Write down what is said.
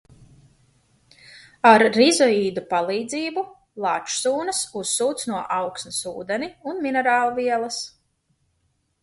Ar rizoīdu palīdzību, lāčsūnas uzsūc no augsnes ūdeni un minerālvielas.